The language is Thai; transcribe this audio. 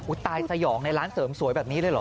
ตายสยองในร้านเสริมสวยแบบนี้เลยเหรอ